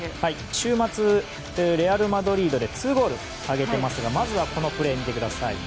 週末レアル・マドリードで２ゴール挙げていますがまずはこのプレー見てください。